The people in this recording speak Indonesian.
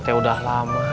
saya udah lama jualan cilok